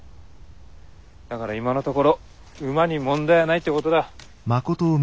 だから今のところ馬に問題はないってことだ。